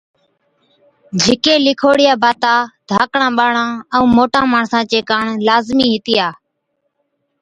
جھِڪي لِکوڙِيا باتا ڌاڪڙان ٻاڙان ائُون موٽان ماڻسان چي ڪاڻ لازمِي هِتِيا